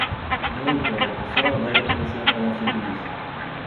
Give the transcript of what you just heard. Não importa, só agora eu comecei a falar sobre isso.